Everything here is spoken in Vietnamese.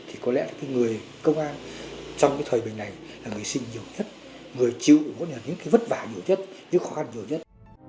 thì có lẽ cái người công an trong cái thời bình này là người sinh nhiều nhất người chịu những cái vất vả nhiều nhất những khó khăn nhiều nhất